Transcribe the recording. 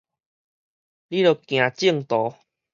你著行正途